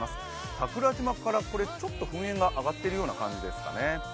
桜島からちょっと噴煙が上がっているような感じですかね。